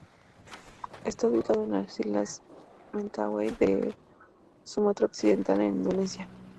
Está ubicado en las islas Mentawai de Sumatra Occidental, en Indonesia.